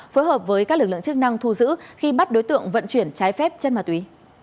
phối hợp với các lực lượng chức năng thu giữ khi bắt đối tượng vận chuyển trái phép chất ma túy